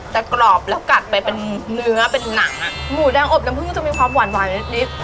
แต่กรอบแล้วกัดไปเป็นเนื้อเป็นหนังอ่ะหมูแดงอบน้ำพึ่งจะมีความหวานนิด